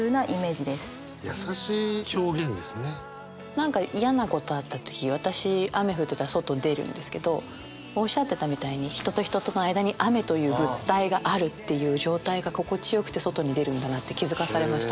何か嫌なことあった日私雨降ってたら外出るんですけどおっしゃってたみたいに人と人との間に雨という物体があるっていう状態が心地よくて外に出るんだなって気付かされました。